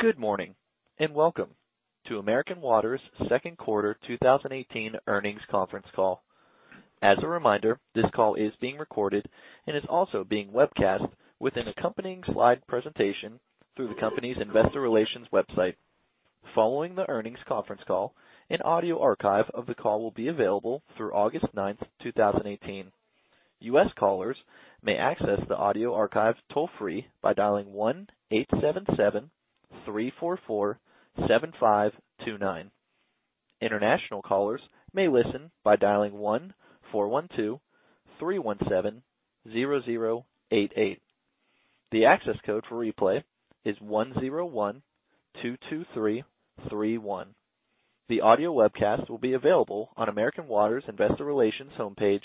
Good morning, and welcome to American Water's second quarter 2018 earnings conference call. As a reminder, this call is being recorded and is also being webcast with an accompanying slide presentation through the company's investor relations website. Following the earnings conference call, an audio archive of the call will be available through August 9th, 2018. U.S. callers may access the audio archive toll free by dialing 1-877-344-7529. International callers may listen by dialing 1-412-317-0088. The access code for replay is 10122331. The audio webcast will be available on American Water's investor relations homepage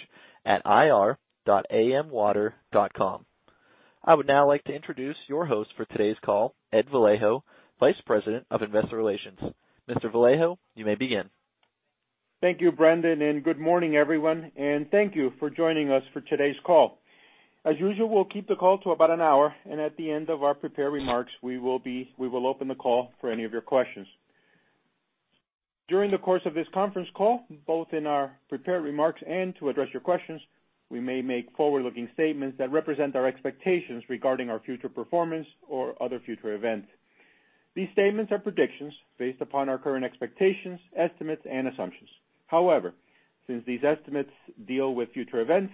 at ir.amwater.com. I would now like to introduce your host for today's call, Ed Vallejo, Vice President of Investor Relations. Mr. Vallejo, you may begin. Thank you, Brendan, and good morning, everyone, and thank you for joining us for today's call. As usual, we'll keep the call to about an hour, and at the end of our prepared remarks, we will open the call for any of your questions. During the course of this conference call, both in our prepared remarks and to address your questions, we may make forward-looking statements that represent our expectations regarding our future performance or other future events. These statements are predictions based upon our current expectations, estimates, and assumptions. However, since these estimates deal with future events,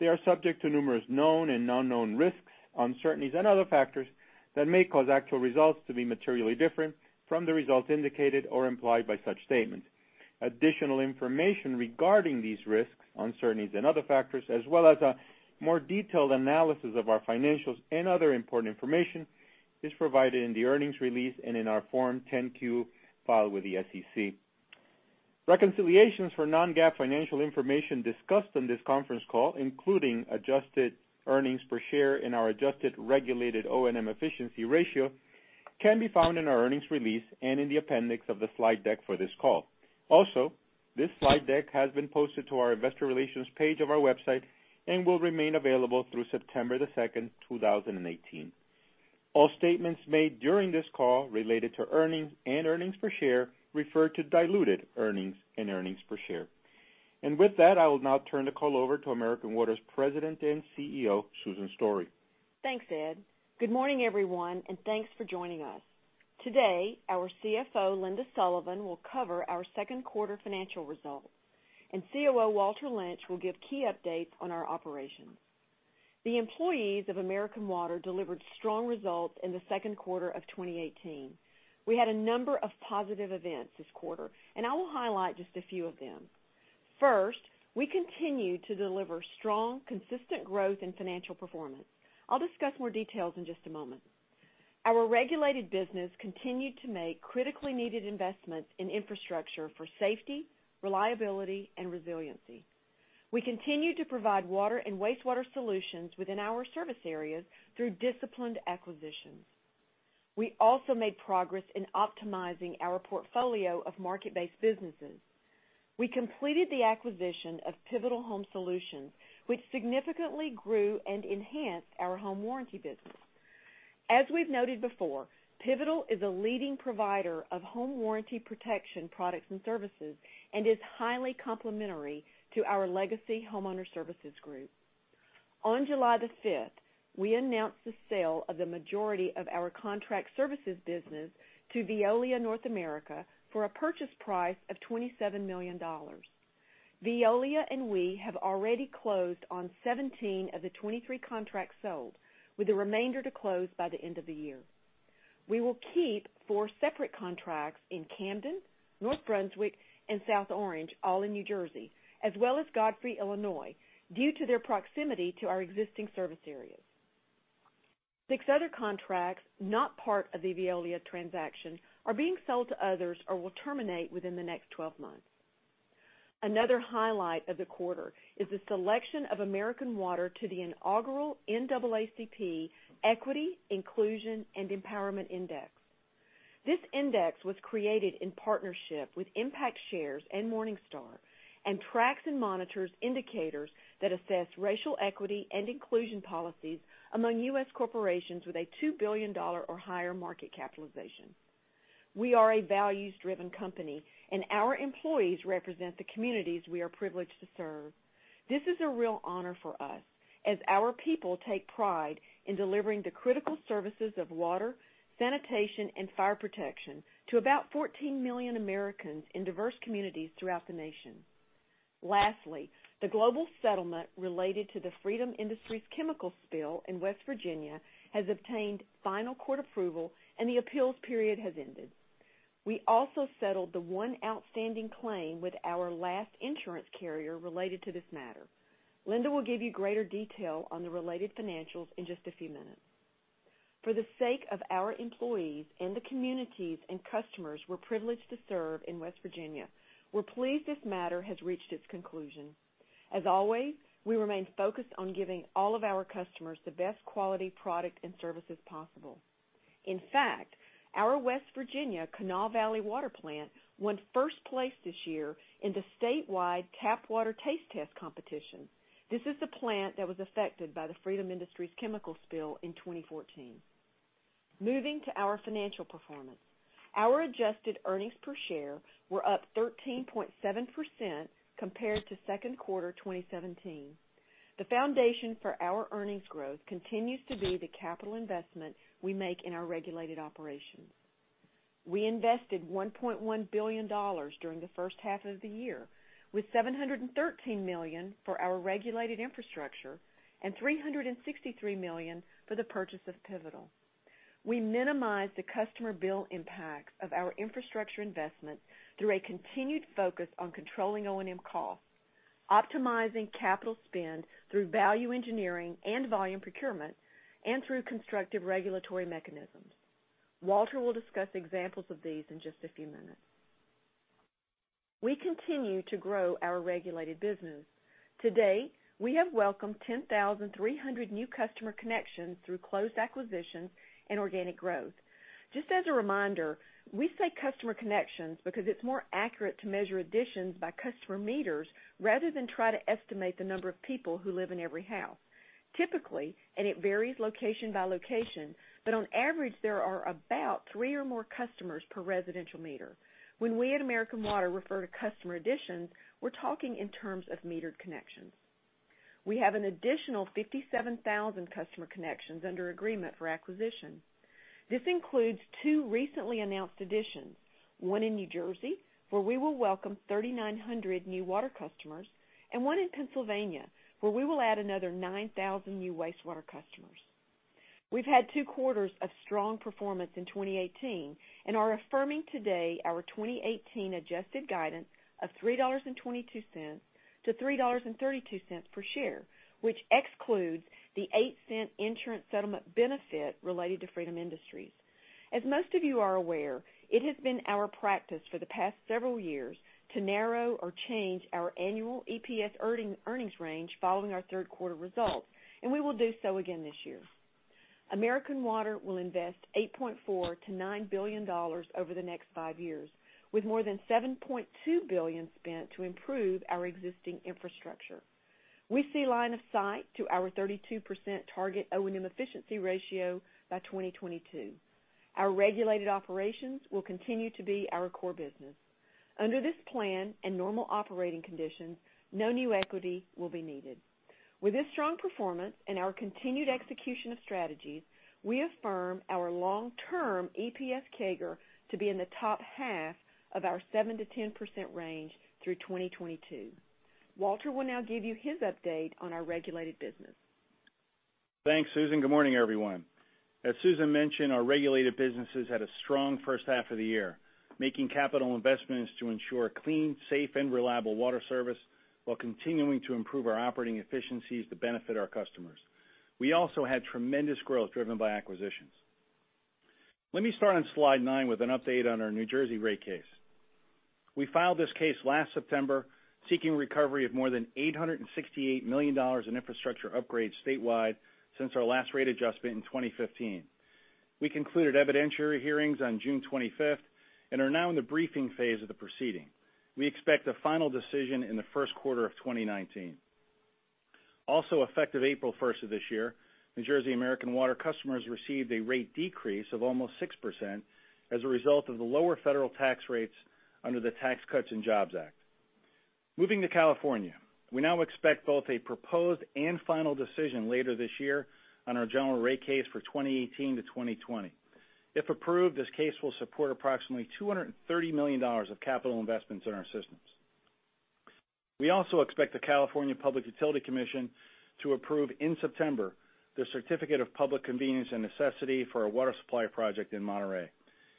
they are subject to numerous known and unknown risks, uncertainties, and other factors that may cause actual results to be materially different from the results indicated or implied by such statements. Additional information regarding these risks, uncertainties, and other factors, as well as a more detailed analysis of our financials and other important information, is provided in the earnings release and in our Form 10-Q filed with the SEC. Reconciliations for non-GAAP financial information discussed on this conference call, including adjusted earnings per share and our adjusted regulated O&M efficiency ratio, can be found in our earnings release and in the appendix of the slide deck for this call. Also, this slide deck has been posted to our investor relations page of our website and will remain available through September the 2nd, 2018. All statements made during this call related to earnings and earnings per share refer to diluted earnings and earnings per share. With that, I will now turn the call over to American Water's President and CEO, Susan Story. Thanks, Ed. Good morning, everyone, and thanks for joining us. Today, our CFO, Linda Sullivan, will cover our second quarter financial results, and COO Walter Lynch will give key updates on our operations. The employees of American Water delivered strong results in the second quarter of 2018. We had a number of positive events this quarter, and I will highlight just a few of them. First, we continued to deliver strong, consistent growth in financial performance. I'll discuss more details in just a moment. Our regulated business continued to make critically needed investments in infrastructure for safety, reliability, and resiliency. We continued to provide water and wastewater solutions within our service areas through disciplined acquisitions. We also made progress in optimizing our portfolio of market-based businesses. We completed the acquisition of Pivotal Home Solutions, which significantly grew and enhanced our home warranty business. As we've noted before, Pivotal is a leading provider of home warranty protection products and services and is highly complementary to our legacy Homeowner Services Group. On July 5th, we announced the sale of the majority of our contract services business to Veolia North America for a purchase price of $27 million. Veolia and we have already closed on 17 of the 23 contracts sold, with the remainder to close by the end of the year. We will keep four separate contracts in Camden, North Brunswick, and South Orange, all in New Jersey, as well as Godfrey, Illinois, due to their proximity to our existing service areas. Six other contracts, not part of the Veolia transaction, are being sold to others or will terminate within the next 12 months. Another highlight of the quarter is the selection of American Water to the inaugural NAACP Equity, Inclusion, and Empowerment Index. This index was created in partnership with Impact Shares and Morningstar and tracks and monitors indicators that assess racial equity and inclusion policies among U.S. corporations with a $2 billion or higher market capitalization. We are a values-driven company, and our employees represent the communities we are privileged to serve. This is a real honor for us, as our people take pride in delivering the critical services of water, sanitation, and fire protection to about 14 million Americans in diverse communities throughout the nation. Lastly, the global settlement related to the Freedom Industries chemical spill in West Virginia has obtained final court approval, and the appeals period has ended. We also settled the one outstanding claim with our last insurance carrier related to this matter. Linda will give you greater detail on the related financials in just a few minutes. For the sake of our employees and the communities and customers we're privileged to serve in West Virginia, we're pleased this matter has reached its conclusion. As always, we remain focused on giving all of our customers the best quality product and services possible. In fact, our West Virginia Kanawha Valley Water Plant won first place this year in the statewide tap water taste test competition. This is the plant that was affected by the Freedom Industries chemical spill in 2014. Moving to our financial performance. Our adjusted earnings per share were up 13.7% compared to second quarter 2017. The foundation for our earnings growth continues to be the capital investment we make in our regulated operations. We invested $1.1 billion during the first half of the year, with $713 million for our regulated infrastructure and $363 million for the purchase of Pivotal. We minimized the customer bill impact of our infrastructure investment through a continued focus on controlling O&M costs, optimizing capital spend through value engineering and volume procurement, and through constructive regulatory mechanisms. Walter will discuss examples of these in just a few minutes. We continue to grow our regulated business. To date, we have welcomed 10,300 new customer connections through closed acquisitions and organic growth. Just as a reminder, we say customer connections because it's more accurate to measure additions by customer meters rather than try to estimate the number of people who live in every house. Typically, and it varies location by location, but on average, there are about three or more customers per residential meter. When we at American Water refer to customer additions, we're talking in terms of metered connections. We have an additional 57,000 customer connections under agreement for acquisition. This includes two recently announced additions, one in New Jersey, where we will welcome 3,900 new water customers, and one in Pennsylvania, where we will add another 9,000 new wastewater customers. We've had two quarters of strong performance in 2018 and are affirming today our 2018 adjusted guidance of $3.22 to $3.32 per share, which excludes the $0.08 insurance settlement benefit related to Freedom Industries. As most of you are aware, it has been our practice for the past several years to narrow or change our annual EPS earnings range following our third quarter results, and we will do so again this year. American Water will invest $8.4 billion-$9 billion over the next five years, with more than $7.2 billion spent to improve our existing infrastructure. We see line of sight to our 32% target O&M efficiency ratio by 2022. Our regulated operations will continue to be our core business. Under this plan and normal operating conditions, no new equity will be needed. With this strong performance and our continued execution of strategies, we affirm our long-term EPS CAGR to be in the top half of our 7%-10% range through 2022. Walter will now give you his update on our regulated business. Thanks, Susan. Good morning, everyone. As Susan mentioned, our regulated businesses had a strong first half of the year, making capital investments to ensure a clean, safe, and reliable water service while continuing to improve our operating efficiencies to benefit our customers. We also had tremendous growth driven by acquisitions. Let me start on slide nine with an update on our New Jersey rate case. We filed this case last September, seeking recovery of more than $868 million in infrastructure upgrades statewide since our last rate adjustment in 2015. We concluded evidentiary hearings on June 25th and are now in the briefing phase of the proceeding. We expect a final decision in the first quarter of 2019. Also effective April 1st of this year, New Jersey American Water customers received a rate decrease of almost 6% as a result of the lower federal tax rates under the Tax Cuts and Jobs Act. Moving to California. We now expect both a proposed and final decision later this year on our general rate case for 2018-2020. If approved, this case will support approximately $230 million of capital investments in our systems. We also expect the California Public Utilities Commission to approve in September the certificate of public convenience and necessity for our water supply project in Monterey.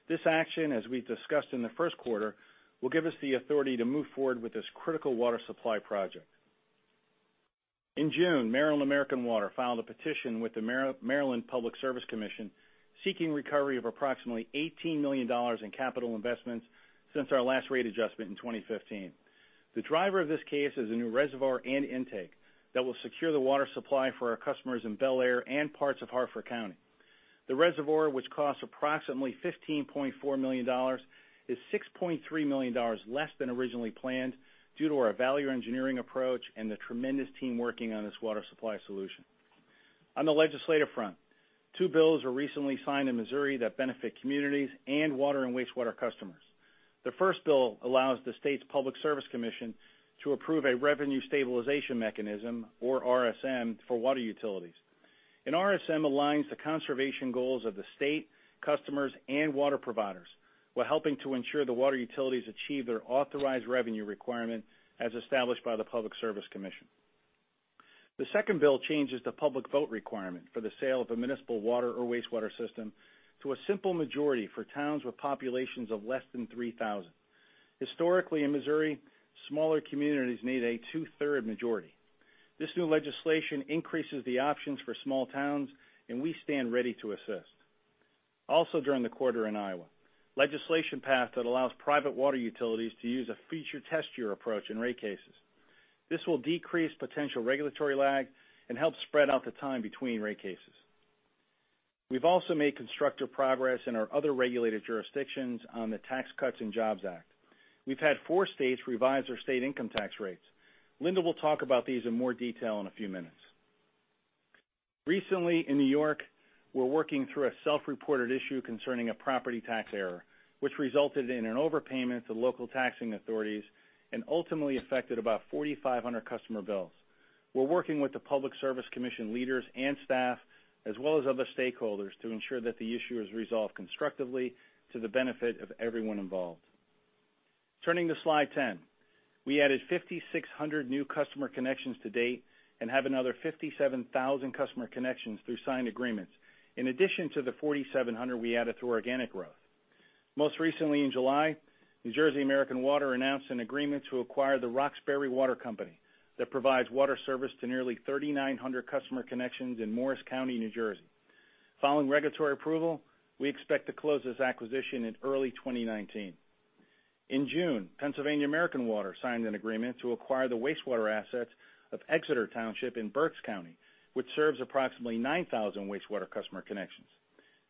This action, as we discussed in the first quarter, will give us the authority to move forward with this critical water supply project. In June, Maryland American Water filed a petition with the Maryland Public Service Commission seeking recovery of approximately $18 million in capital investments since our last rate adjustment in 2015. The driver of this case is a new reservoir and intake that will secure the water supply for our customers in Bel Air and parts of Harford County. The reservoir, which costs approximately $15.4 million, is $6.3 million less than originally planned due to our value engineering approach and the tremendous team working on this water supply solution. On the legislative front, two bills were recently signed in Missouri that benefit communities and water and wastewater customers. The first bill allows the state's Public Service Commission to approve a revenue stabilization mechanism, or RSM, for water utilities. An RSM aligns the conservation goals of the state, customers, and water providers while helping to ensure the water utilities achieve their authorized revenue requirement as established by the Public Service Commission. The second bill changes the public vote requirement for the sale of a municipal water or wastewater system to a simple majority for towns with populations of less than 3,000. Historically in Missouri, smaller communities need a two-third majority. This new legislation increases the options for small towns, and we stand ready to assist. Also during the quarter in Iowa, legislation passed that allows private water utilities to use a future test year approach in rate cases. This will decrease potential regulatory lag and help spread out the time between rate cases. We've also made constructive progress in our other regulated jurisdictions on the Tax Cuts and Jobs Act. We've had four states revise their state income tax rates. Linda will talk about these in more detail in a few minutes. Recently, in New York, we're working through a self-reported issue concerning a property tax error, which resulted in an overpayment to local taxing authorities and ultimately affected about 4,500 customer bills. We're working with the Public Service Commission leaders and staff, as well as other stakeholders to ensure that the issue is resolved constructively to the benefit of everyone involved. Turning to slide 10. We added 5,600 new customer connections to date and have another 57,000 customer connections through signed agreements, in addition to the 4,700 we added through organic growth. Most recently in July, New Jersey American Water announced an agreement to acquire the Roxbury Water Company that provides water service to nearly 3,900 customer connections in Morris County, New Jersey. Following regulatory approval, we expect to close this acquisition in early 2019. In June, Pennsylvania American Water signed an agreement to acquire the wastewater assets of Exeter Township in Berks County, which serves approximately 9,000 wastewater customer connections.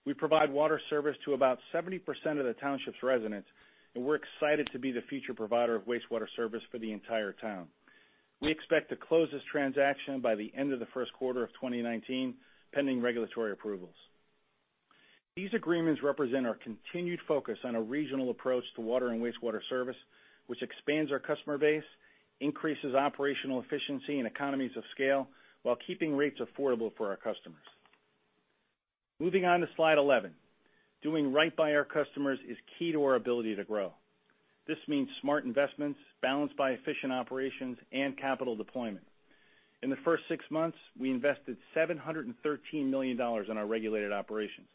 We provide water service to about 70% of the township's residents, and we're excited to be the future provider of wastewater service for the entire town. We expect to close this transaction by the end of the first quarter of 2019, pending regulatory approvals. These agreements represent our continued focus on a regional approach to water and wastewater service, which expands our customer base, increases operational efficiency and economies of scale, while keeping rates affordable for our customers. Moving on to slide 11. Doing right by our customers is key to our ability to grow. This means smart investments balanced by efficient operations and capital deployment. In the first six months, we invested $713 million in our regulated operations.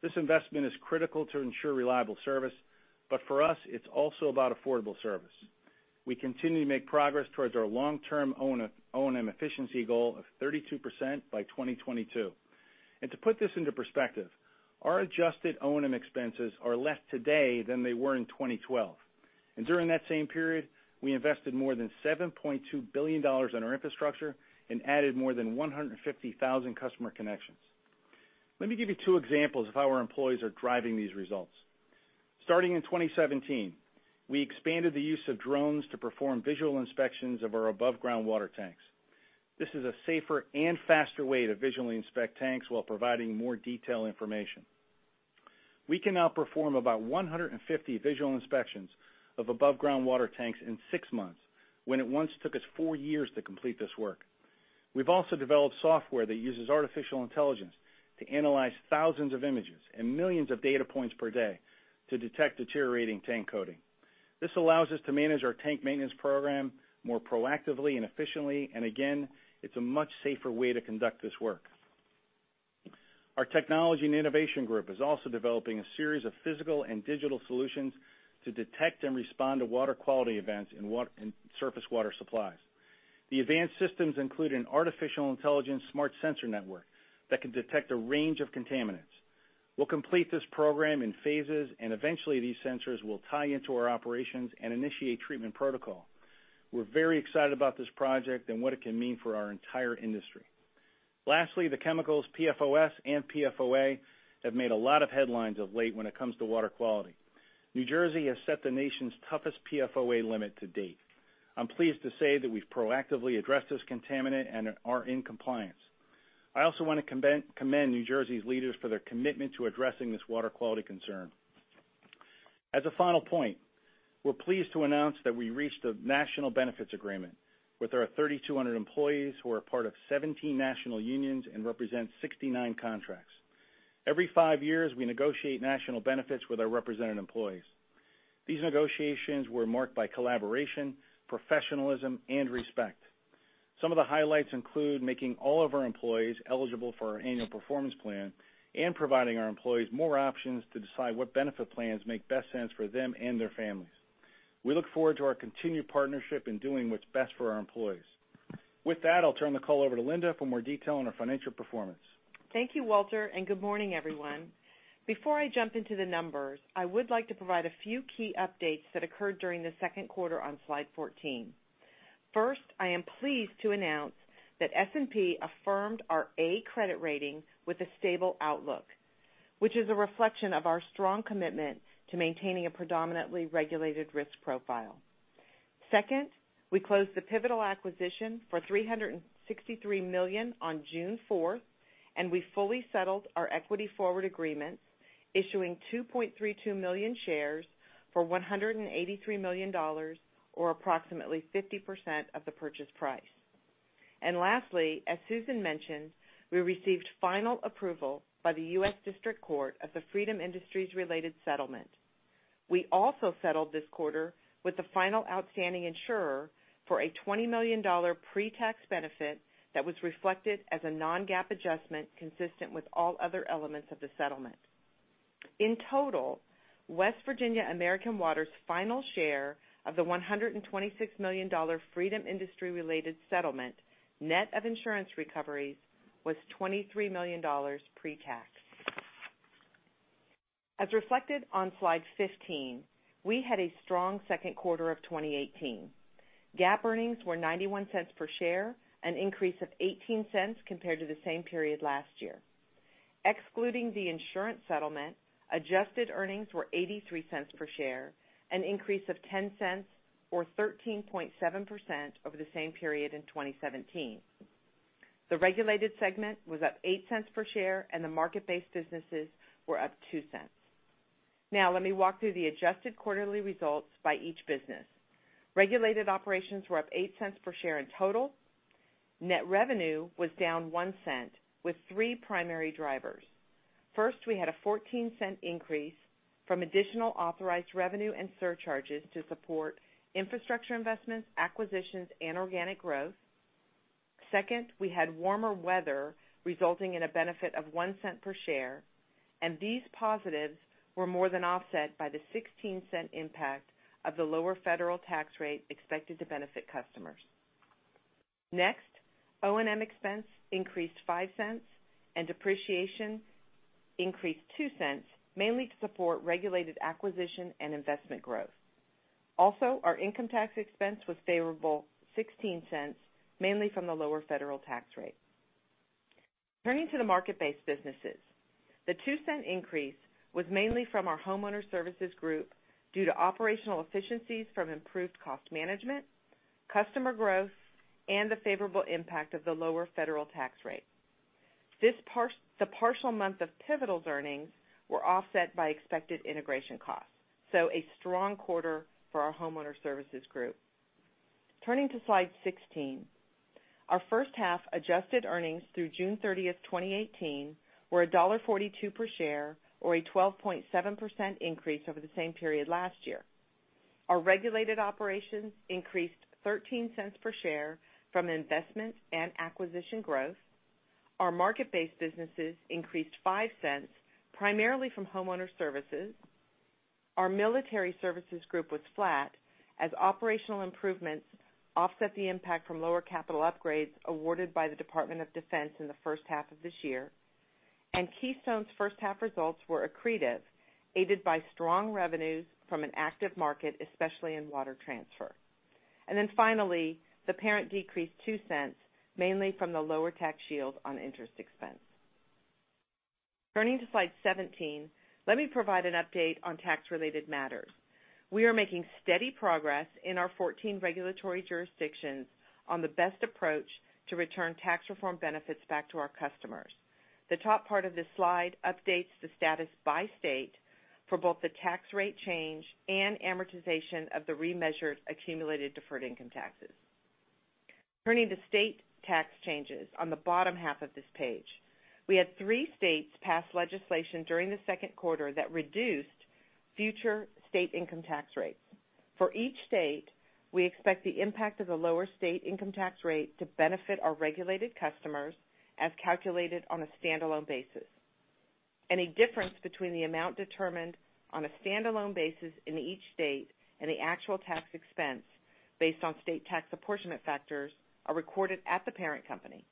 This investment is critical to ensure reliable service, but for us, it's also about affordable service. We continue to make progress towards our long-term O&M efficiency goal of 32% by 2022. To put this into perspective, our adjusted O&M expenses are less today than they were in 2012. During that same period, we invested more than $7.2 billion in our infrastructure and added more than 150,000 customer connections. Let me give you two examples of how our employees are driving these results. Starting in 2017, we expanded the use of drones to perform visual inspections of our above-ground water tanks. This is a safer and faster way to visually inspect tanks while providing more detailed information. We can now perform about 150 visual inspections of above-ground water tanks in six months, when it once took us four years to complete this work. We've also developed software that uses artificial intelligence to analyze thousands of images and millions of data points per day to detect deteriorating tank coating. This allows us to manage our tank maintenance program more proactively and efficiently, and again, it's a much safer way to conduct this work. Our technology and innovation group is also developing a series of physical and digital solutions to detect and respond to water quality events in surface water supplies. The advanced systems include an artificial intelligence smart sensor network that can detect a range of contaminants. We'll complete this program in phases, and eventually, these sensors will tie into our operations and initiate treatment protocol. We're very excited about this project and what it can mean for our entire industry. Lastly, the chemicals PFOS and PFOA have made a lot of headlines of late when it comes to water quality. New Jersey has set the nation's toughest PFOA limit to date. I'm pleased to say that we've proactively addressed this contaminant and are in compliance. I also want to commend New Jersey's leaders for their commitment to addressing this water quality concern. As a final point, we're pleased to announce that we reached a national benefits agreement with our 3,200 employees who are part of 17 national unions and represent 69 contracts. Every five years, we negotiate national benefits with our represented employees. These negotiations were marked by collaboration, professionalism, and respect. Some of the highlights include making all of our employees eligible for our annual performance plan and providing our employees more options to decide what benefit plans make best sense for them and their families. We look forward to our continued partnership in doing what's best for our employees. With that, I'll turn the call over to Linda for more detail on our financial performance. Thank you, Walter, and good morning, everyone. Before I jump into the numbers, I would like to provide a few key updates that occurred during the second quarter on slide 14. First, I am pleased to announce that S&P affirmed our A credit rating with a stable outlook, which is a reflection of our strong commitment to maintaining a predominantly regulated risk profile. Second, we closed the Pivotal acquisition for $363 million on June 4th, and we fully settled our equity forward agreement, issuing 2.32 million shares for $183 million, or approximately 50% of the purchase price. Lastly, as Susan mentioned, we received final approval by the U.S. District Court of the Freedom Industries-related settlement. We also settled this quarter with the final outstanding insurer for a $20 million pre-tax benefit that was reflected as a non-GAAP adjustment consistent with all other elements of the settlement. In total, West Virginia American Water's final share of the $126 million Freedom Industries-related settlement, net of insurance recoveries, was $23 million pre-tax. As reflected on slide 15, we had a strong second quarter of 2018. GAAP earnings were $0.91 per share, an increase of $0.18 compared to the same period last year. Excluding the insurance settlement, adjusted earnings were $0.83 per share, an increase of $0.10 or 13.7% over the same period in 2017. The regulated segment was up $0.08 per share, and the market-based businesses were up $0.02. Let me walk through the adjusted quarterly results by each business. Regulated operations were up $0.08 per share in total. Net revenue was down $0.01, with three primary drivers. First, we had a $0.14 increase from additional authorized revenue and surcharges to support infrastructure investments, acquisitions, and organic growth. Second, we had warmer weather, resulting in a benefit of $0.01 per share, and these positives were more than offset by the $0.16 impact of the lower federal tax rate expected to benefit customers. O&M expense increased $0.05, and depreciation increased $0.02, mainly to support regulated acquisition and investment growth. Our income tax expense was favorable $0.16, mainly from the lower federal tax rate. Turning to the market-based businesses. The $0.02 increase was mainly from our Homeowner Services Group due to operational efficiencies from improved cost management, customer growth, and the favorable impact of the lower federal tax rate. The partial month of Pivotal's earnings were offset by expected integration costs. A strong quarter for our Homeowner Services Group. Turning to slide 16. Our first-half adjusted earnings through June 30, 2018, were $1.42 per share, or a 12.7% increase over the same period last year. Our regulated operations increased $0.13 per share from investment and acquisition growth. Our market-based businesses increased $0.05, primarily from Homeowner Services Group. Our Military Services Group was flat as operational improvements offset the impact from lower capital upgrades awarded by the Department of Defense in the first half of this year. Keystone's first half results were accretive, aided by strong revenues from an active market, especially in water transfer. Finally, the parent decreased $0.02, mainly from the lower tax shield on interest expense. Turning to slide 17, let me provide an update on tax-related matters. We are making steady progress in our 14 regulatory jurisdictions on the best approach to return tax reform benefits back to our customers. The top part of this slide updates the status by state for both the tax rate change and amortization of the remeasured accumulated deferred income taxes. Turning to state tax changes on the bottom half of this page. We had three states pass legislation during the second quarter that reduced future state income tax rates. For each state, we expect the impact of the lower state income tax rate to benefit our regulated customers as calculated on a standalone basis. Any difference between the amount determined on a standalone basis in each state and the actual tax expense based on state tax apportionment factors are recorded at the parent company.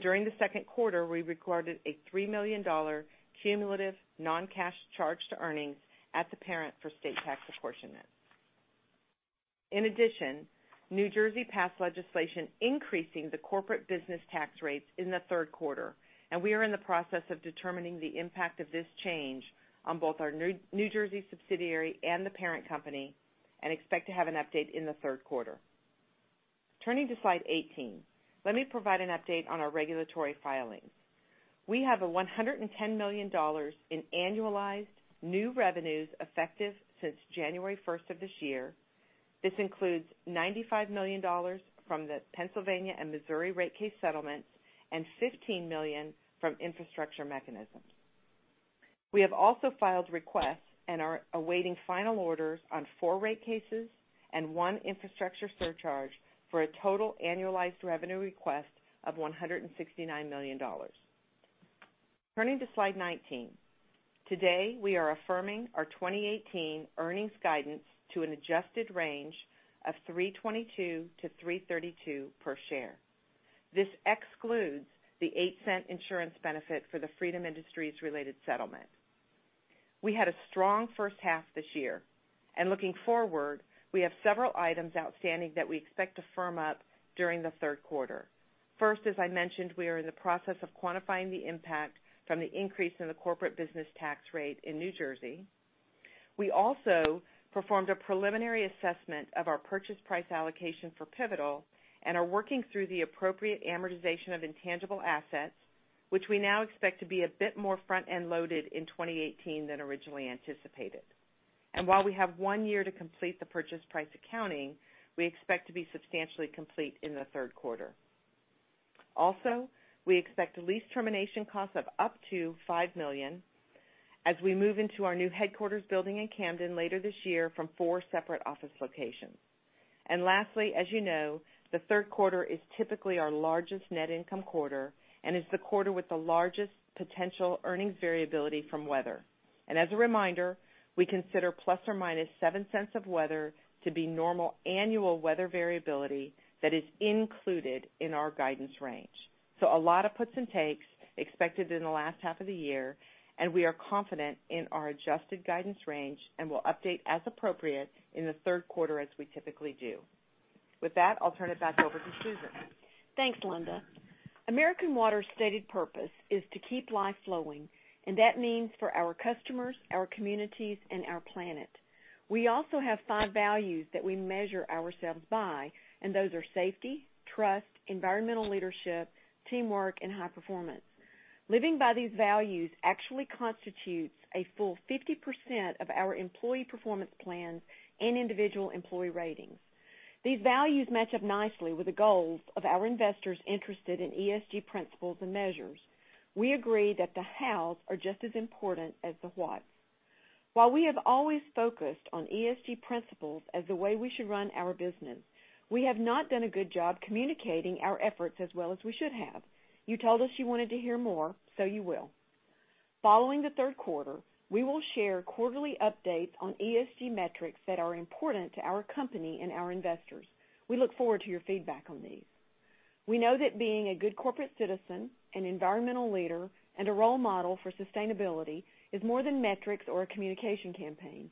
During the second quarter, we recorded a $3 million cumulative non-cash charge to earnings at the parent for state tax apportionment. In addition, New Jersey passed legislation increasing the corporate business tax rates in the third quarter, and we are in the process of determining the impact of this change on both our New Jersey subsidiary and the parent company, and expect to have an update in the third quarter. Turning to slide 18, let me provide an update on our regulatory filings. We have $110 million in annualized new revenues effective since January 1st of this year. This includes $95 million from the Pennsylvania and Missouri rate case settlements and $15 million from infrastructure mechanisms. We have also filed requests and are awaiting final orders on four rate cases and one infrastructure surcharge for a total annualized revenue request of $169 million. Turning to slide 19. Today, we are affirming our 2018 earnings guidance to an adjusted range of $3.22 to $3.32 per share. This excludes the $0.08 insurance benefit for the Freedom Industries-related settlement. We had a strong first half this year, and looking forward, we have several items outstanding that we expect to firm up during the third quarter. First, as I mentioned, we are in the process of quantifying the impact from the increase in the corporate business tax rate in New Jersey. We also performed a preliminary assessment of our purchase price allocation for Pivotal and are working through the appropriate amortization of intangible assets, which we now expect to be a bit more front-end loaded in 2018 than originally anticipated. While we have one year to complete the purchase price accounting, we expect to be substantially complete in the third quarter. We expect a lease termination cost of up to $5 million as we move into our new headquarters building in Camden later this year from four separate office locations. Lastly, as you know, the third quarter is typically our largest net income quarter and is the quarter with the largest potential earnings variability from weather. As a reminder, we consider ±$0.07 of weather to be normal annual weather variability that is included in our guidance range. A lot of puts and takes expected in the last half of the year, and we are confident in our adjusted guidance range and will update as appropriate in the third quarter as we typically do. With that, I'll turn it back over to Susan. Thanks, Linda. American Water's stated purpose is to keep life flowing, and that means for our customers, our communities, and our planet. We also have five values that we measure ourselves by, and those are safety, trust, environmental leadership, teamwork, and high performance. Living by these values actually constitutes a full 50% of our employee performance plans and individual employee ratings. These values match up nicely with the goals of our investors interested in ESG principles and measures. We agree that the hows are just as important as the whats. While we have always focused on ESG principles as the way we should run our business, we have not done a good job communicating our efforts as well as we should have. You told us you wanted to hear more, you will. Following the third quarter, we will share quarterly updates on ESG metrics that are important to our company and our investors. We look forward to your feedback on these. We know that being a good corporate citizen, an environmental leader, and a role model for sustainability is more than metrics or a communication campaign.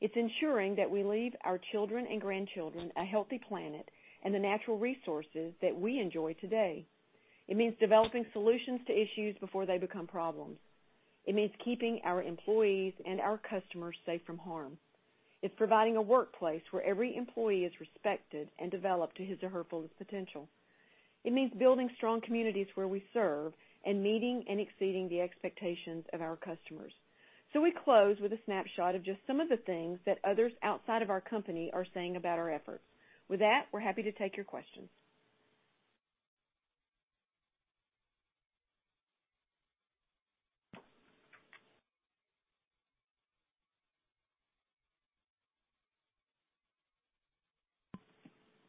It's ensuring that we leave our children and grandchildren a healthy planet and the natural resources that we enjoy today. It means developing solutions to issues before they become problems. It means keeping our employees and our customers safe from harm. It's providing a workplace where every employee is respected and developed to his or her fullest potential. It means building strong communities where we serve and meeting and exceeding the expectations of our customers. We close with a snapshot of just some of the things that others outside of our company are saying about our efforts. With that, we're happy to take your questions.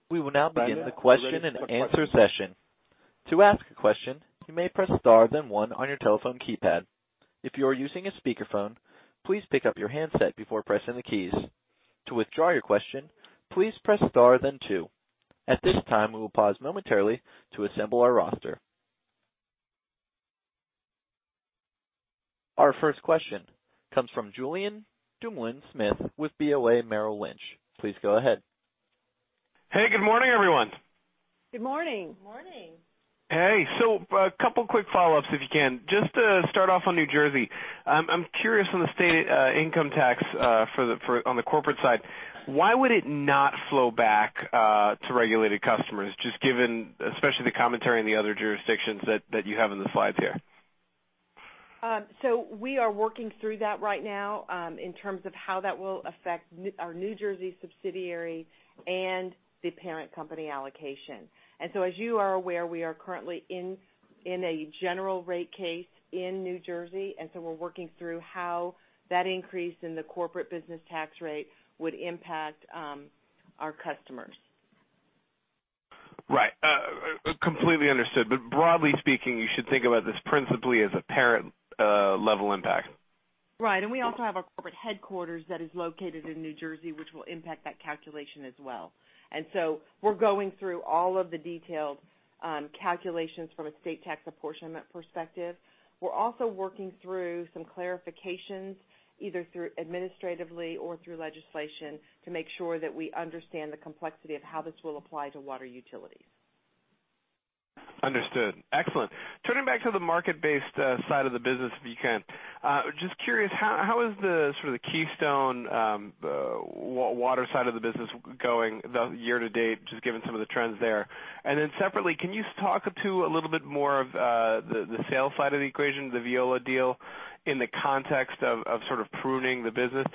We will now begin the question and answer session. To ask a question, you may press star then one on your telephone keypad. If you are using a speakerphone, please pick up your handset before pressing the keys. To withdraw your question, please press star then two. At this time, we will pause momentarily to assemble our roster. Our first question comes from Julien Dumoulin-Smith with BofA Merrill Lynch. Please go ahead. Hey, good morning, everyone. Good morning. Good morning. Hey. A couple quick follow-ups, if you can. Just to start off on New Jersey, I'm curious on the state income tax on the corporate side, why would it not flow back to regulated customers, just given especially the commentary in the other jurisdictions that you have in the slides here? We are working through that right now in terms of how that will affect our New Jersey subsidiary and the parent company allocation. As you are aware, we are currently in a general rate case in New Jersey, and so we're working through how that increase in the corporate business tax rate would impact our customers. Right. Completely understood. Broadly speaking, you should think about this principally as a parent-level impact. Right. We also have our corporate headquarters that is located in New Jersey, which will impact that calculation as well. We're going through all of the detailed calculations from a state tax apportionment perspective. We're also working through some clarifications, either through administratively or through legislation, to make sure that we understand the complexity of how this will apply to water utilities. Understood. Excellent. Turning back to the market-based side of the business, if you can, just curious, how is the Keystone Water side of the business going year-to-date, just given some of the trends there? Separately, can you talk to a little bit more of the sales side of the equation, the Veolia deal, in the context of pruning the business?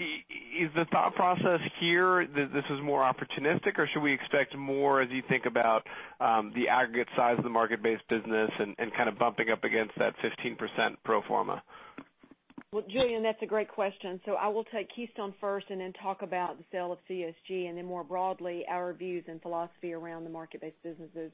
Is the thought process here that this is more opportunistic, or should we expect more as you think about the aggregate size of the market-based business and bumping up against that 15% pro forma? Julien, that's a great question. I will take Keystone first and then talk about the sale of CSG, and then more broadly, our views and philosophy around the market-based businesses.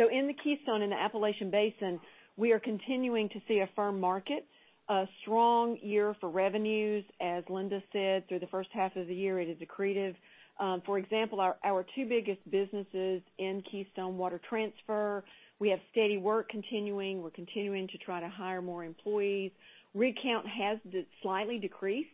In the Keystone, in the Appalachian Basin, we are continuing to see a firm market, a strong year for revenues, as Linda said, through the first half of the year it is accretive. For example, our two biggest businesses in Keystone, water transfer, we have steady work continuing. We're continuing to try to hire more employees. Rig count has slightly decreased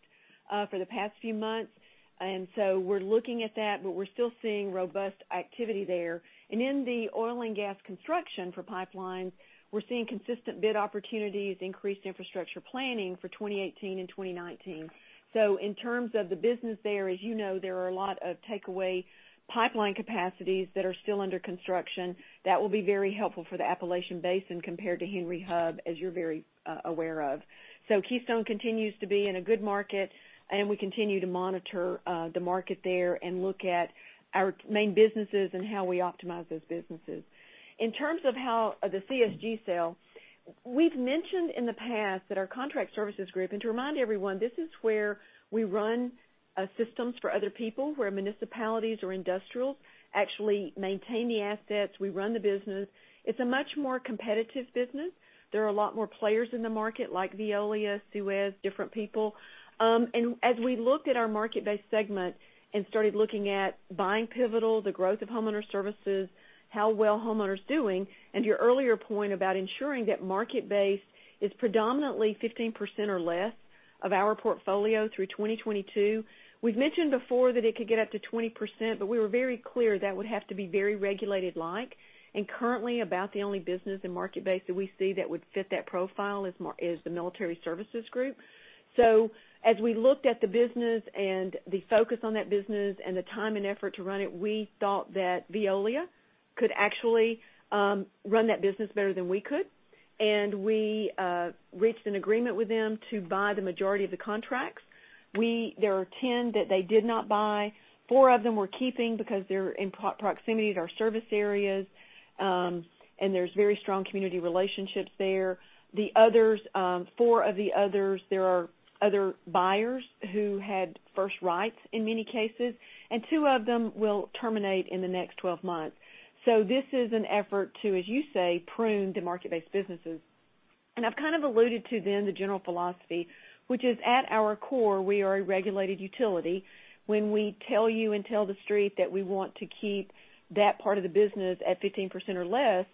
for the past few months, we're looking at that, we're still seeing robust activity there. In the oil and gas construction for pipelines, we're seeing consistent bid opportunities, increased infrastructure planning for 2018 and 2019. In terms of the business there, as you know, there are a lot of takeaway pipeline capacities that are still under construction that will be very helpful for the Appalachian Basin compared to Henry Hub, as you're very aware of. Keystone continues to be in a good market, we continue to monitor the market there and look at our main businesses and how we optimize those businesses. In terms of the CSG sale, we've mentioned in the past that our contract services group, and to remind everyone, this is where we run systems for other people, where municipalities or industrials actually maintain the assets. We run the business. It's a much more competitive business. There are a lot more players in the market like Veolia, Suez, different people. As we looked at our market-based segment and started looking at buying Pivotal, the growth of homeowner services, how well homeowner's doing, and your earlier point about ensuring that market-based is predominantly 15% or less of our portfolio through 2022. We've mentioned before that it could get up to 20%, we were very clear that would have to be very regulated-like. Currently, about the only business in market-based that we see that would fit that profile is the Military Services Group. As we looked at the business and the focus on that business and the time and effort to run it, we thought that Veolia could actually run that business better than we could. We reached an agreement with them to buy the majority of the contracts. There are 10 that they did not buy. Four of them we're keeping because they're in proximity to our service areas, there's very strong community relationships there. The other four, there are other buyers who had first rights in many cases, two of them will terminate in the next 12 months. This is an effort to, as you say, prune the market-based businesses. I've kind of alluded to then the general philosophy, which is at our core, we are a regulated utility. When we tell you and tell the Street that we want to keep that part of the business at 15% or less,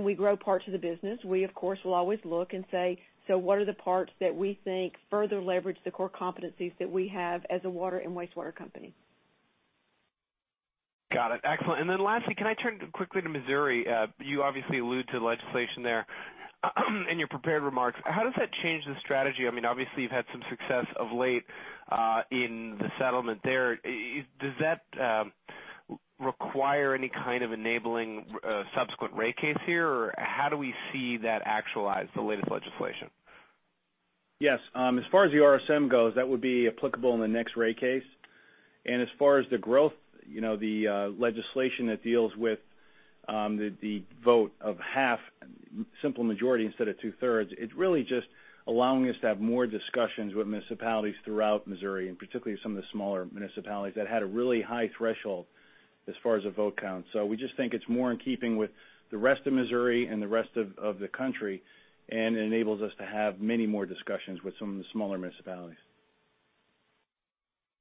we grow parts of the business, we of course will always look and say, "What are the parts that we think further leverage the core competencies that we have as a water and wastewater company? Got it. Excellent. Lastly, can I turn quickly to Missouri? You obviously allude to the legislation there in your prepared remarks. How does that change the strategy? Obviously, you've had some success of late in the settlement there. Does that require any kind of enabling subsequent rate case here, or how do we see that actualized, the latest legislation? Yes. As far as the RSM goes, that would be applicable in the next rate case. As far as the growth, the legislation that deals with the vote of half, simple majority instead of two-thirds, it's really just allowing us to have more discussions with municipalities throughout Missouri, and particularly some of the smaller municipalities that had a really high threshold as far as the vote count. We just think it's more in keeping with the rest of Missouri and the rest of the country, and enables us to have many more discussions with some of the smaller municipalities.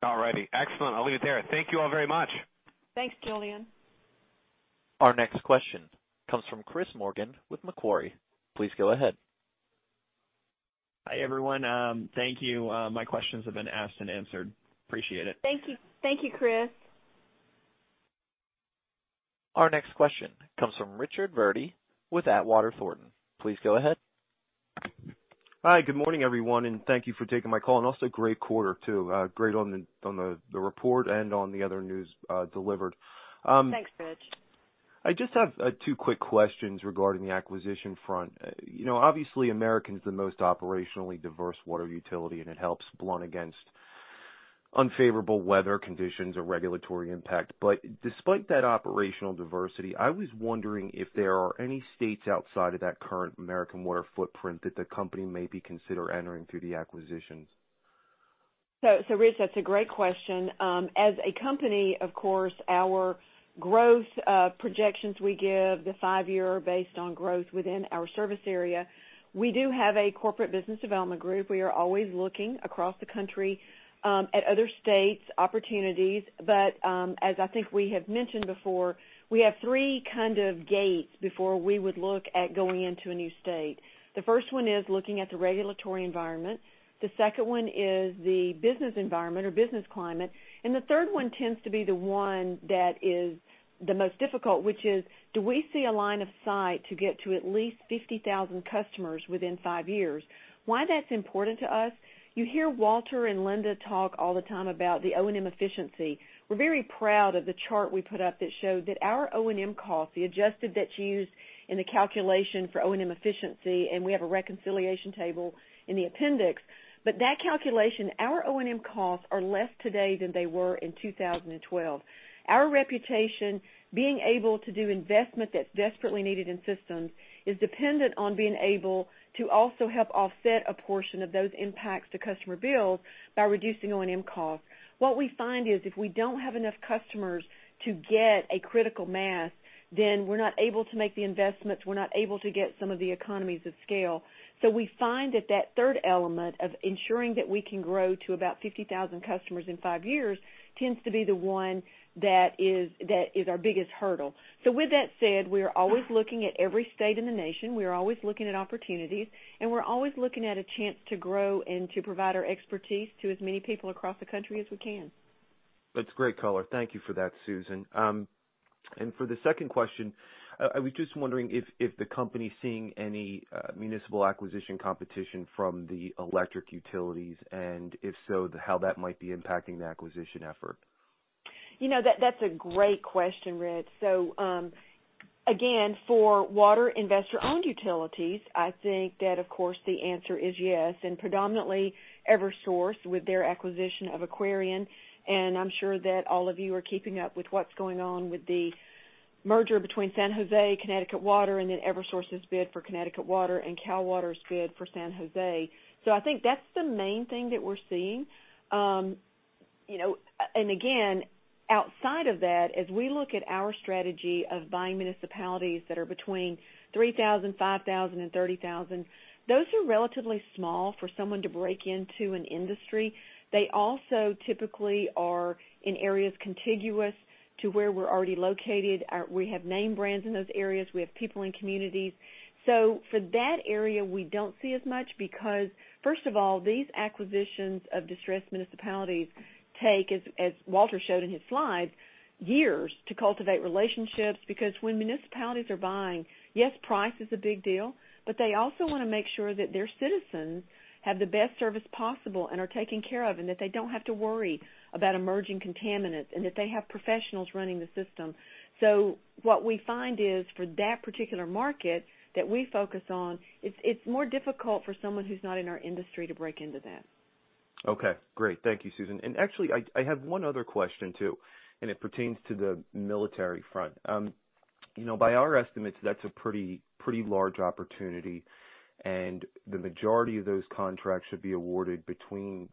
All righty. Excellent. I'll leave it there. Thank you all very much. Thanks, Julien. Our next question comes from Chris Morgan with Macquarie. Please go ahead. Hi, everyone. Thank you. My questions have been asked and answered. Appreciate it. Thank you, Chris. Our next question comes from Richard Verdi with Atwater Thornton. Please go ahead. Hi, good morning, everyone. Thank you for taking my call. Also great quarter, too. Great on the report and on the other news delivered. Thanks, Rich. I just have two quick questions regarding the acquisition front. Obviously, American's the most operationally diverse water utility, and it helps blunt against unfavorable weather conditions or regulatory impact. Despite that operational diversity, I was wondering if there are any states outside of that current American Water footprint that the company may be consider entering through the acquisitions. Rich, that's a great question. As a company, of course, our growth projections we give, the five-year based on growth within our service area. We do have a corporate business development group. We are always looking across the country at other states, opportunities. As I think we have mentioned before, we have three gates before we would look at going into a new state. The first one is looking at the regulatory environment. The second one is the business environment or business climate, and the third one tends to be the one that is the most difficult, which is, do we see a line of sight to get to at least 50,000 customers within five years? Why that's important to us, you hear Walter and Linda talk all the time about the O&M efficiency. We're very proud of the chart we put up that showed that our O&M costs, the adjusted that's used in the calculation for O&M efficiency, and we have a reconciliation table in the appendix. That calculation, our O&M costs are less today than they were in 2012. Our reputation, being able to do investment that's desperately needed in systems, is dependent on being able to also help offset a portion of those impacts to customer bills by reducing O&M costs. What we find is if we don't have enough customers to get a critical mass, then we're not able to make the investments, we're not able to get some of the economies of scale. We find that that third element of ensuring that we can grow to about 50,000 customers in five years tends to be the one that is our biggest hurdle. With that said, we are always looking at every state in the nation, we are always looking at opportunities, and we're always looking at a chance to grow and to provide our expertise to as many people across the country as we can. That's great color. Thank you for that, Susan. For the second question, I was just wondering if the company's seeing any municipal acquisition competition from the electric utilities, and if so, how that might be impacting the acquisition effort. That's a great question, Rich. Again, for water investor-owned utilities, I think that of course the answer is yes, and predominantly Eversource with their acquisition of Aquarion, and I'm sure that all of you are keeping up with what's going on with the merger between San Jose, Connecticut Water, and Eversource's bid for Connecticut Water and Cal Water's bid for San Jose. I think that's the main thing that we're seeing. Again, outside of that, as we look at our strategy of buying municipalities that are between 3,000, 5,000, and 30,000, those are relatively small for someone to break into an industry. They also typically are in areas contiguous to where we're already located. We have name brands in those areas. We have people in communities. For that area, we don't see as much because first of all, these acquisitions of distressed municipalities take, as Walter showed in his slides, years to cultivate relationships because when municipalities are buying, yes, price is a big deal, but they also want to make sure that their citizens have the best service possible and are taken care of, and that they don't have to worry about emerging contaminants, and that they have professionals running the system. What we find is for that particular market that we focus on, it's more difficult for someone who's not in our industry to break into that. Okay, great. Thank you, Susan. Actually, I have one other question too. It pertains to the military front. By our estimates, that's a pretty large opportunity, and the majority of those contracts should be awarded between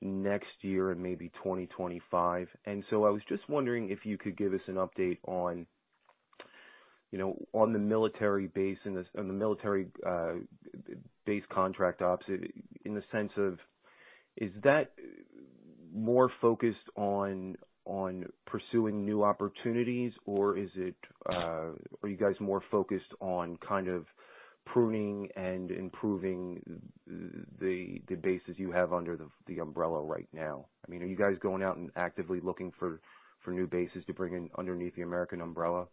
next year and maybe 2025. I was just wondering if you could give us an update on the military base contract ops, in the sense of, is that more focused on pursuing new opportunities, or are you guys more focused on pruning and improving the bases you have under the umbrella right now? Are you guys going out and actively looking for new bases to bring in underneath the American umbrella?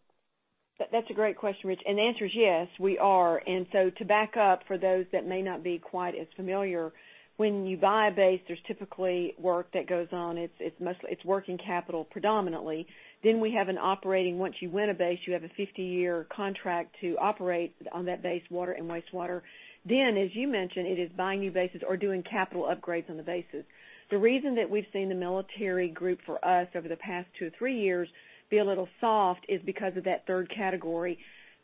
That's a great question, Rich. The answer is yes, we are. To back up for those that may not be quite as familiar, when you buy a base, there's typically work that goes on. It's working capital predominantly. Then we have an operating, once you win a base, you have a 50-year contract to operate on that base, water and wastewater. Then, as you mentioned, it is buying new bases or doing capital upgrades on the bases. The reason that we've seen the military group for us over the past two, three years be a little soft is because of that third category.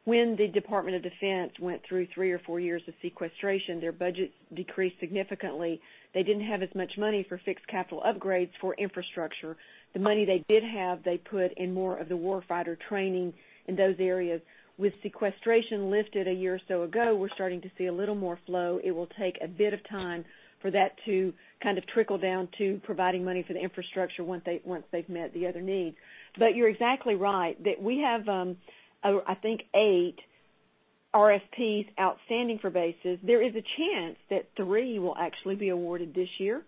When the Department of Defense went through three or four years of sequestration, their budgets decreased significantly. They didn't have as much money for fixed capital upgrades for infrastructure. The money they did have, they put in more of the war fighter training in those areas. With sequestration lifted a year or so ago, we're starting to see a little more flow. It will take a bit of time for that to trickle down to providing money for the infrastructure once they've met the other needs. You're exactly right. That we have, I think, eight RFPs outstanding for bases. There is a chance that three will actually be awarded this year,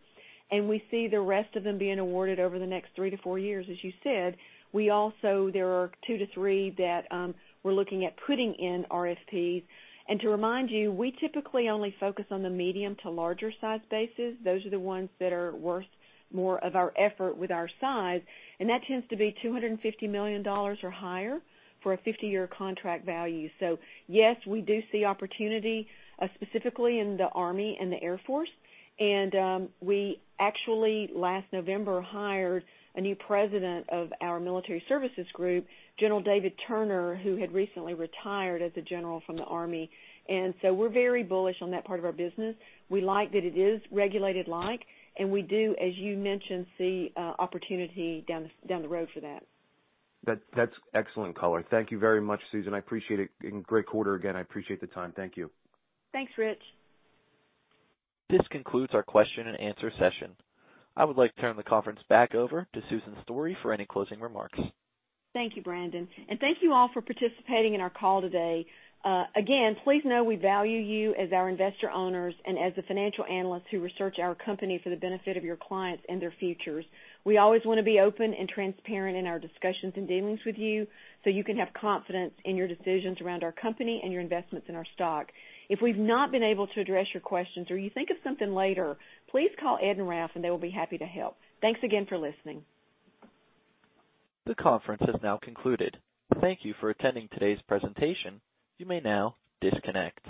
and we see the rest of them being awarded over the next three to four years, as you said. There are two to three that we're looking at putting in RFPs. To remind you, we typically only focus on the medium to larger size bases. Those are the ones that are worth more of our effort with our size. That tends to be $250 million or higher for a 50-year contract value. Yes, we do see opportunity, specifically in the Army and the Air Force. We actually, last November, hired a new President of our Military Services Group, General David Turner, who had recently retired as a General from the Army. We're very bullish on that part of our business. We like that it is regulated-like, and we do, as you mentioned, see opportunity down the road for that. That's excellent color. Thank you very much, Susan. I appreciate it. Great quarter, again. I appreciate the time. Thank you. Thanks, Rich. This concludes our question and answer session. I would like to turn the conference back over to Susan Story for any closing remarks. Thank you, Brandon. Thank you all for participating in our call today. Again, please know we value you as our investor-owners and as the financial analysts who research our company for the benefit of your clients and their futures. We always want to be open and transparent in our discussions and dealings with you so you can have confidence in your decisions around our company and your investments in our stock. If we've not been able to address your questions or you think of something later, please call Ed and Ralph, and they will be happy to help. Thanks again for listening. The conference has now concluded. Thank you for attending today's presentation. You may now disconnect.